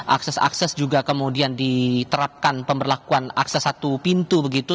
akses akses juga kemudian diterapkan pemberlakuan akses satu pintu begitu